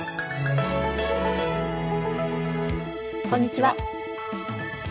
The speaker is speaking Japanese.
こんにちは。